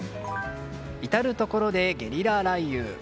至るところでゲリラ雷雨。